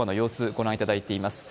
ご覧いただいています。